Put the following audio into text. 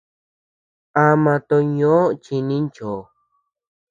Ama too ñoʼö chi ninchoo.